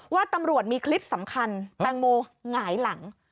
ว่าตำรวจมีคลิปสำคัญแตงโมหงายหลัง